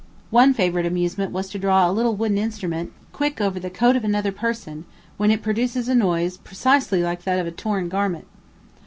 One favorite amusement was to draw a little wooden instrument quick over the coat of another person, when it produces a noise precisely like that of a torn garment.